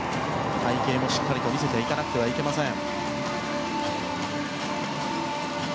隊形もしっかりと見せていかなければなりません。